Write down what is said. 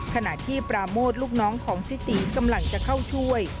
ขณะที่ปราโมทลูกน้องของซิตีกำลังจะเข้าช่วย